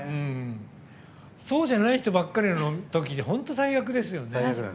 そうじゃない人ばっかりの時に本当に最悪ですよね。